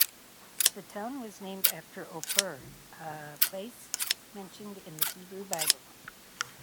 The town was named after Ophir, a place mentioned in the Hebrew Bible.